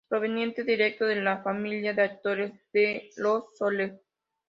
Proveniente directo de la familia de actores Los Soler.